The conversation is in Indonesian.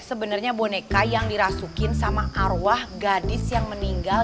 sebenarnya boneka yang dirasukin sama arwah gadis yang meninggal